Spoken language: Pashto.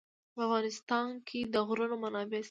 په افغانستان کې د غرونه منابع شته.